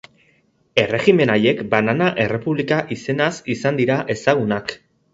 Erregimen haiek banana errepublika izenaz izan dira ezagunak.